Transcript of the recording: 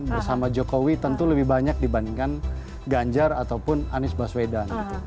bersama jokowi tentu lebih banyak dibandingkan ganjar ataupun anies baswedan